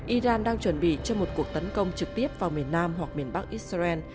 iran đang chuẩn bị cho một cuộc tấn công trực tiếp vào miền nam hoặc miền bắc israel